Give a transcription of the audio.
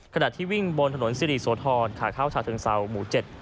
ขณะที่วิ่งบนถนนสิริโสธรขาเข้าชาเชิงเซาหมู่๗